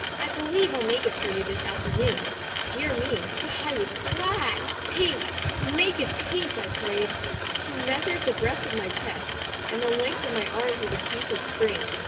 I believe I'll make it for you this afternoon." Dear me, but I was glad ! "Pink — make it pink!' I prayed. She measured the breadth of my chest and the length of my arms with a piece of string.